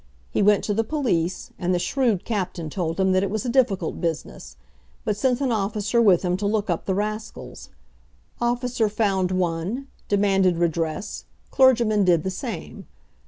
He went to the police, and the shrewd captain told him that it was a difficult business; but sent an officer with him to look up the rascals. Officer found one; demanded redress; clergyman did the same.